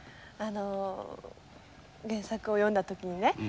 あの原作を読んだ時にね